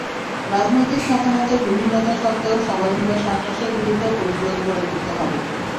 রাজনৈতিক মতামতের বিভিন্নতা সত্ত্বেও সবাই মিলে সন্ত্রাসের বিরুদ্ধে প্রতিরোধ গড়ে তুলতে হবে।